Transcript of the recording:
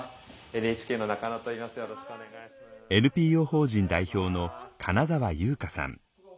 ＮＰＯ法人代表の金澤裕香さん。